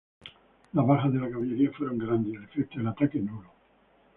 Las bajas de la caballería fueron grandes y el efecto del ataque nulo.